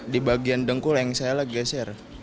di bagian dengkul yang saya lagi geser